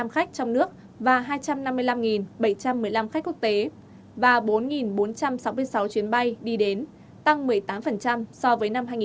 năm trăm linh một trăm chín mươi năm khách trong nước và hai trăm năm mươi năm bảy trăm một mươi năm khách quốc tế và bốn bốn trăm sáu mươi sáu chuyến bay đi đến tăng một mươi tám so với năm hai nghìn hai mươi hai